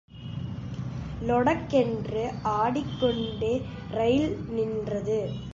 லொடக் என்று ஆடிக்கொண்டு ரயில் நின்றது.